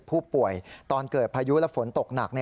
ผู้ป่วยตอนเกิดพายุและฝนตกหนัก